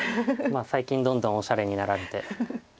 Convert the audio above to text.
最近どんどんおしゃれになられて。